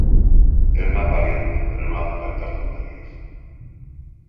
Es más valiente, pero no hace tantas tonterías.